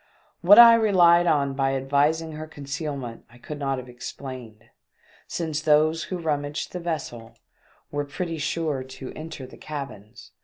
What I relied on by advising her conceal ment I could not have explained ; since those who rummaged the vessel were pretty sure 366 THE DEATH SHIP. to enter the cabins.